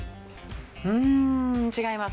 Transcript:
うーん違います。